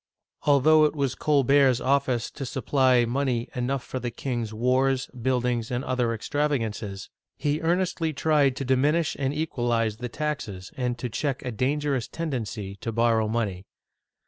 Although it was Colbert's office to supply money enough for the king's wars, buildings, and other extravagances, he earnestly tried to dipiinish and equalize the taxes, and to check a dangerous tendency to borrow money.